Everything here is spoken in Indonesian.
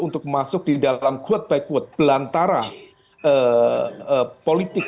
untuk masuk di dalam quote by quote belantara politik